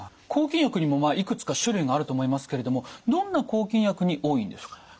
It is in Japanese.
抗菌薬にもいくつか種類があると思いますけれどもどんな抗菌薬に多いんでしょうか？